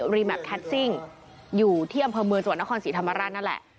แมพแคสติ่งอยู่ที่อำเภอเมืองจังหวัดนครศรีธรรมราชนั่นแหละ